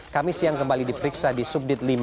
kami siang kembali diperiksa di subdit lima